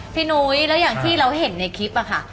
นุ้ยแล้วอย่างที่เราเห็นในคลิปอะค่ะ